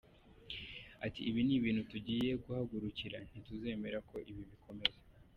Ati “Ibi ni ibintu tugiye guhagurukira, ntituzemera ko ibi bikomeza.